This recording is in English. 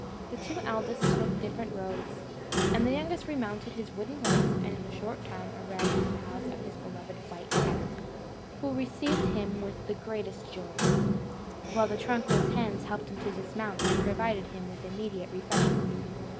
The two eldest took different roads, and the youngest remounted his wooden horse, and in a short time arrived at the palace of his beloved white cat, who received him with the greatest joy, while the trunkless hands helped him to dismount, and provided him with immediate refreshment.